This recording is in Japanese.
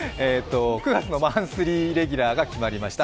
９月のマンスリーレギュラーが決まりました。